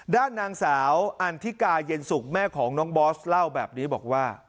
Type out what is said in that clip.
ด้านนางสาวอันทิกาเย็นสุกแม่ของน้องบอสเล่าแบบนี้บอกว่า